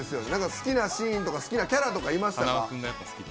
好きなシーンとかキャラとかいました？